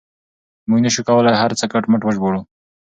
موږ نه شو کولای هر څه کټ مټ وژباړو.